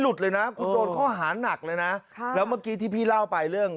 แล้วก็เปิดแคตาล็อกเพลง